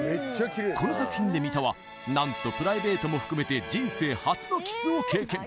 この作品で三田は何とプライベートも含めて人生初のキスを経験